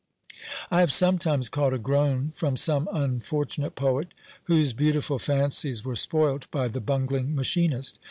I have sometimes caught a groan from some unfortunate poet, whose beautiful fancies were spoilt by the bungling machinist.